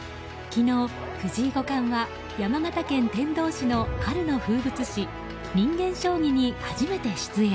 昨日、藤井五冠は山形県天童市の春の風物詩人間将棋に初めて出演。